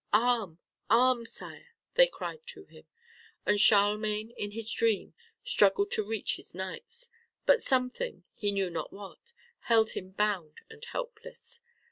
"Arm! arm! Sire," they cried to him. And Charlemagne, in his dream, struggled to reach his knights. But something, he knew not what, held him bound and helpless.